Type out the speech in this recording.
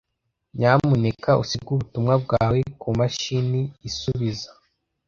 Nyamuneka usige ubutumwa bwawe kumashini isubiza.